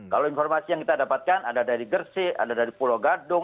kalau informasi yang kita dapatkan ada dari gersik ada dari pulau gadung